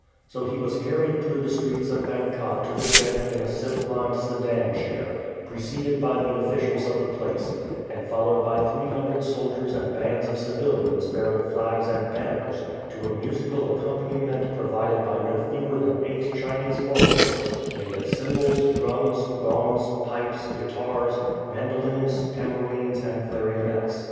So he was carried through the streets of Bang kah to the jetty in a silk lined sedan chair, preceded by the officials of the place, and followed by three hundred soldiers and bands of civilians bearing flags and banners, to a musical accompani ment provided by no fewer than eight Chinese orchestras made up of cymbals, drums, gongs, pipes, guitars, mandolines, tambourines, and clarionets.